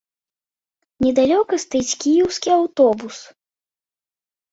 Недалёка стаіць кіеўскі аўтобус.